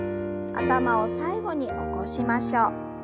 頭を最後に起こしましょう。